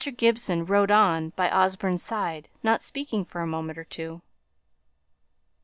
Gibson rode on by Osborne's side, not speaking for a moment or two.